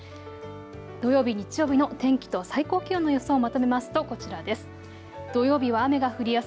土曜日、日曜日の天気と最高気温の予想をまとめますとこちらです。